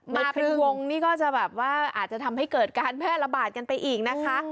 มาเป็นวงนี่ก็จะแบบว่าอาจจะทำให้เกิดการแพร่ระบาดกันไปอีกนะคะ